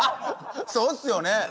そうですよね。